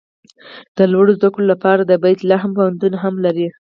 د لوړو زده کړو لپاره د بیت لحم پوهنتون هم لري.